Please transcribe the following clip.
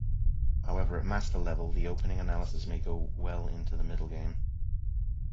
However, at master level, the opening analysis may go well into the middlegame.